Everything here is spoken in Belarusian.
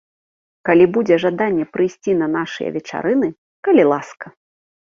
Калі будзе жаданне прыйсці на нашыя вечарыны, калі ласка!